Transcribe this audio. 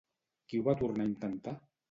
Qui ho va tornar a intentar?